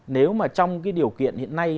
nếu mà trong cái điều kiện hiện nay